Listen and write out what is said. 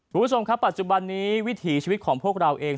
คุณผู้ชมครับปัจจุบันนี้วิถีชีวิตของพวกเราเอง